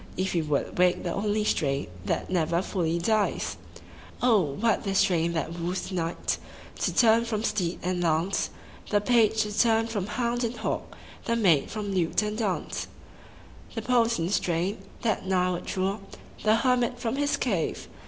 If he would wake the only strain That never fully dies ! what the strain that woos the knight To turn from steed and lance, The page to turn from hound and hawk, The maid from lute and dance ; The potent strain, that nigh would draw The hermit from his cave.